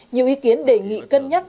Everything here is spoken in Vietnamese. nhiều ý kiến đề nghị cân nhắc